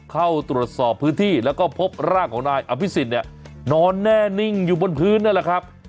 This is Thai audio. เข้าตรวจสอบพื้นที่แล้วก็พบร่างของนายอภิษฎเนี่ยนอนแน่นิ่งอยู่บนพื้นนั่นแหละครับ